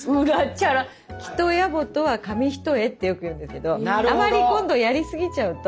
「粋と野暮とは紙一重」ってよく言うんだけどあまり今度やりすぎちゃうと。